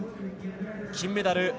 金メダル